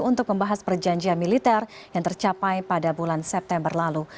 untuk membahas perjanjian militer yang tercapai pada bulan september lalu